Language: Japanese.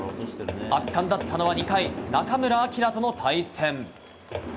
圧巻だったのは２回中村晃との対戦。